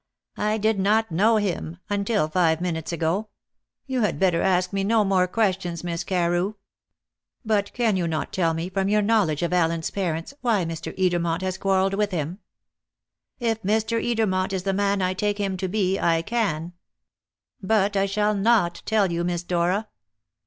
"I did not know him until five minutes ago. You had better ask me no more questions, Miss Carew." "But can you not tell me, from your knowledge of Allen's parents, why Mr. Edermont has quarrelled with him?" "If Mr. Edermont is the man I take him to be, I can. But I shall not tell you, Miss Dora."